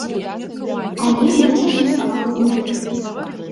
Але мне пашанцавала з мадэллю.